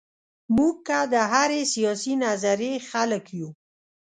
موږ که د هرې سیاسي نظریې خلک یو.